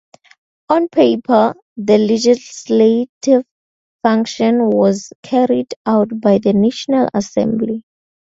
On paper, the legislative function was carried out by the National Assembly.